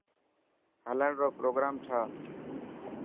هلڻ رو پروگرام ٺاهه.